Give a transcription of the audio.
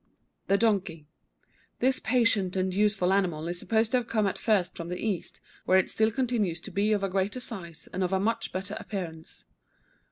THE DONKEY. This patient and useful animal is supposed to have come at first from the East, where it still continues to be of a greater size and of a much better appearance.